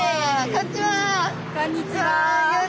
こんにちは！